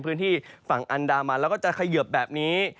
พื้นที่ฝั่งอันดามันแล้วก็จะเขยิบแบบนี้